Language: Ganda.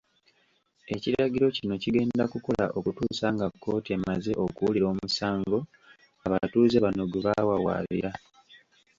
Ekiragiro kino kigenda kukola okutuusa nga kkooti emaze okuwulira omusango abatuuze bano gwe baawawaabira.